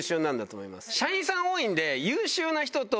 社員さん多いんで。